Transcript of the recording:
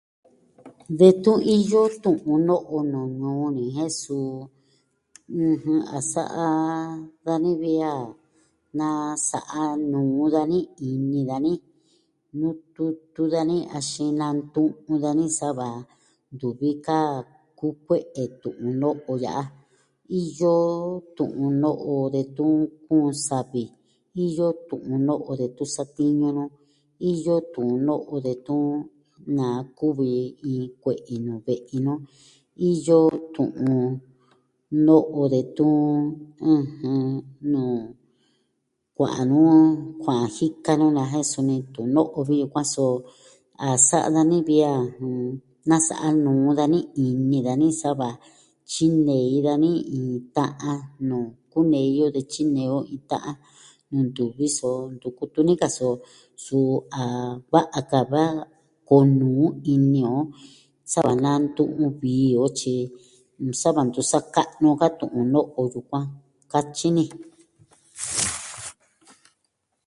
Detun iyo tu'un no'o nuu ñuu ni, jen suu, ɨjɨn a sa'a dani vi a na sa'a nuu dani ini dani, nututu dani axin nantu'un dani sa va ntuvi ka kukue'e tu'un no'o ya'a. Iyo tu'un no'o detun kuun savi, iyo tu'un no'o detun satiñu nu, iyo tu'un no'o detun na kuvi iin kue'i nuu ve'i nu, iyo tu'un no'o detun, ɨjɨn, kua'an nu, kua'an jika nu na jen suni tu'un no'o vi yukuan, so a sa'a dani vi a nasa'a nuu dani ini dani, sa va tyinei dani iin ta'an nuu kunei yo de tyinei o iin ta'an. Ntuvi soo o, ntu kutu ni ka soo o. Suu a va'a ka va koo nuu ini on sava nantu'un vi o, tyi sa va ntu sa'a ka'nu ka tu'un no'o yukuan, katyi ni.